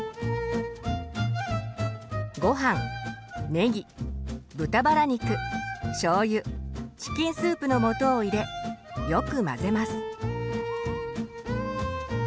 ごはんねぎ豚バラ肉しょうゆチキンスープの素を入れよく混ぜます。